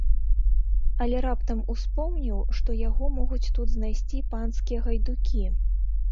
Але раптам успомніў, што яго могуць тут знайсці панскія гайдукі.